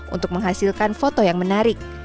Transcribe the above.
untuk menghasilkan foto yang menarik